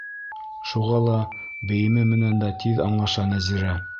Шуға ла бейеме менән дә тиҙ аңлаша Нәзирә.